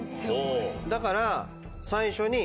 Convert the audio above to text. だから。